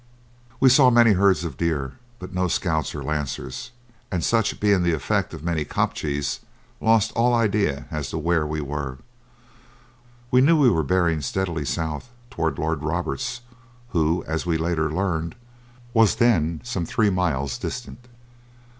We saw many herds of deer, but no scouts or lancers, and, such being the effect of many kopjes, lost all ideas as to where we were. We knew we were bearing steadily south toward Lord Roberts, who as we later learned, was then some three miles distant.